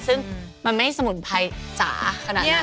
ซึ่งมันไม่สมุนไพรจ๋าขนาดนั้น